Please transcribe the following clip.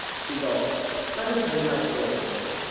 She gulped. "Let me tell you my story.